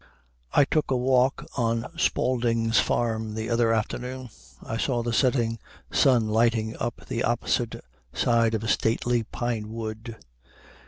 I took a walk on Spaulding's Farm the other afternoon. I saw the setting sun lighting up the opposite side of a stately pine wood.